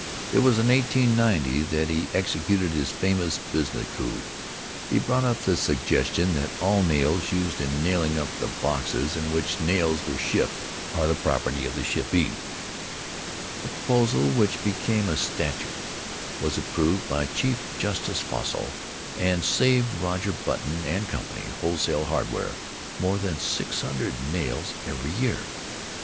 It was in 1890 that he executed his famous business coup: he brought up the suggestion that all nails used in nailing up the boxes in which nails are shipped are the property of the shippee, a proposal which became a statute, was approved by Chief Justice Fossile, and saved Roger Button and Company, Wholesale Hardware, more than six hundred nails every year.